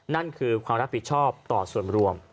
นั่นคือความรับผิดชอบต่อส่วนรวม